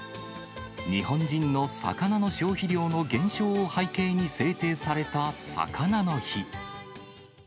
日本人の魚の消費量の減少を背景に制定されたさかなの日。